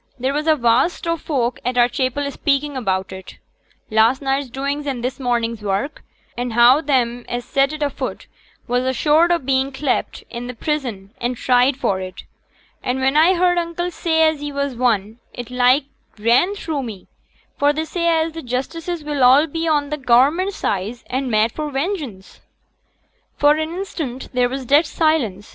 There was a vast o' folk at our chapel speaking about it last night's doings and this morning's work and how them as set it afoot was assured o' being clapt int' prison and tried for it; and when I heered uncle say as he was one, it like ran through me; for they say as t' justices will be all on t' Government side, and mad for vengeance.' For an instant there was dead silence.